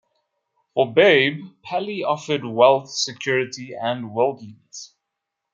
For Babe, Paley offered wealth, security, and worldliness.